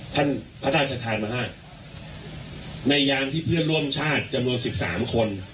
ท่านพระท่านชะทานนะฮะในยามที่เพื่อนร่วมชาติจำนวนสิบสามคน